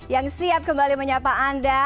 yang siap kembali menyapa anda